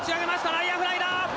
内野フライだ！